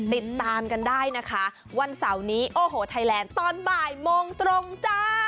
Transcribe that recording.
ติดตามกันได้นะคะวันเสาร์นี้โอ้โหไทยแลนด์ตอนบ่ายโมงตรงจ้า